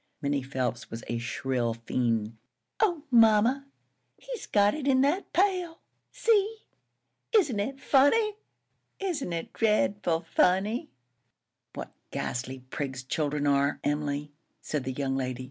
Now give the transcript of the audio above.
Minnie Phelps was a shrill fiend. "Oh, mamma, he's got it in that pail! See! Isn't it funny? Isn't it dreadful funny?" "What ghastly prigs children are, Emily!" said the young lady.